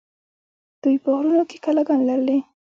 دوی په غرونو کې کلاګانې لرلې